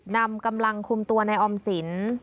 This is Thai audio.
นำกำลังคุมตัวในออมสิน